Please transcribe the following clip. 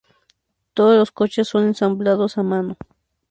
Todos los coches son ensamblados a mano.